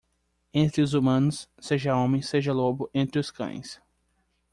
Entre os humanos, seja homem, seja lobo entre os cães.